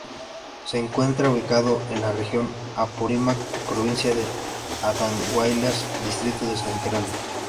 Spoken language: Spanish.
Se encuentra ubicado en la Región Apurímac, provincia de Andahuaylas, distrito de San Jerónimo.